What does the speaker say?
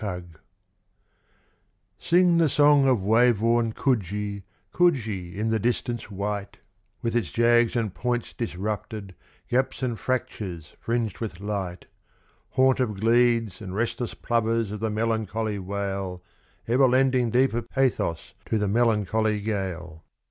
Coogee Sing the song of wave worn Coogee, Coogee in the distance white, With its jags and points disrupted, gaps and fractures fringed with light; Haunt of gledes, and restless plovers of the melancholy wail Ever lending deeper pathos to the melancholy gale.